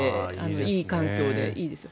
いい環境でいいですよ。